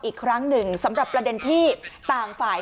อีกครั้งหนึ่งสำหรับประเด็นที่ต่างฝ่าย